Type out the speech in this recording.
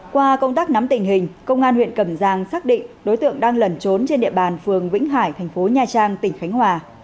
qua công tác nắm tình hình công an huyện cẩm giang xác định đối tượng đang lẩn trốn trên địa bàn phường vĩnh hải thành phố nha trang tỉnh khánh hòa